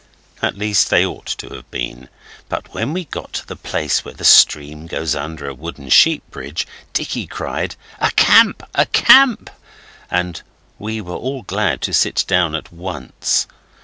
At least they ought to have been, but when we got to the place where the stream goes under a wooden sheep bridge, Dicky cried, 'A camp! a camp!' and we were all glad to sit down at once.